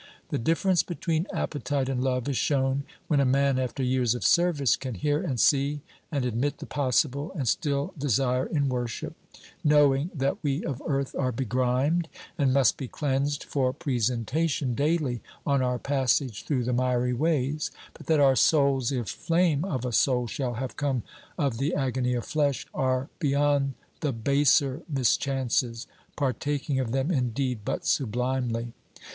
The difference between appetite and love is shown when a man, after years of service, can hear and see, and admit the possible, and still desire in worship; knowing that we of earth are begrimed and must be cleansed for presentation daily on our passage through the miry ways, but that our souls, if flame of a soul shall have come of the agony of flesh, are beyond the baser mischances: partaking of them indeed, but sublimely.